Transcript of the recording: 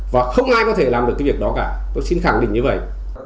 và không ai có thể làm được cái việc đó cả tôi xin khẳng định như vậy